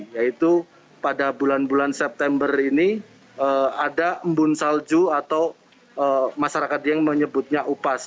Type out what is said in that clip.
yaitu pada bulan bulan september ini ada embun salju atau masyarakat dieng menyebutnya upas